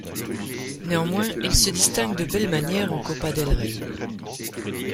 Néanmoins, il se distingue de belle manière en Copa del Rey.